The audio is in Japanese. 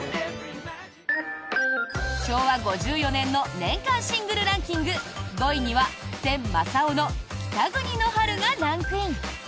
昭和５４年の年間シングルランキング５位には千昌夫の「北国の春」がランクイン。